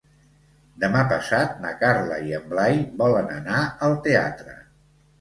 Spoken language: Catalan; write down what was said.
Demà passat na Carla i en Blai volen anar al teatre.